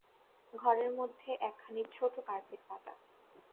ঘরের মধ্যে একখানি ছোট কার্পেট পাতা।